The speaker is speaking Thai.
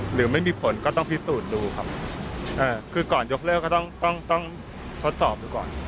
หรือไม่มีผลก็ต้องพิสูจน์ดูครับคือก่อนยกเลิกก็ต้องต้องทดสอบดูก่อน